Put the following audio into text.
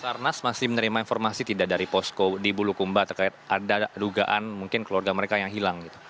basarnas masih menerima informasi tidak dari posko di bulukumba terkait ada dugaan mungkin keluarga mereka yang hilang